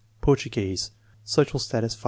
Portuguese, social status 5.